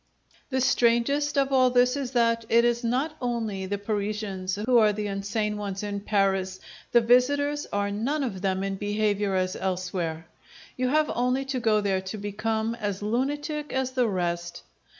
The strangest of all this is that it is not only the Parisians who are the insane ones in Paris; the visitors are none of them in behaviour as elsewhere. You have only to go there to become as lunatic as the rest.